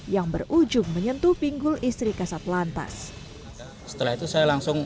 yang berujung menyebabkan